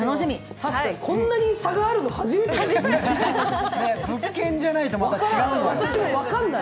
確かに、こんなに差があるの初めてじゃない？